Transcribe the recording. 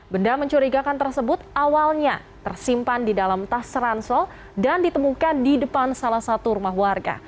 benda mencurigakan tersebut awalnya tersimpan di dalam tas seransol dan ditemukan di depan salah satu rumah warga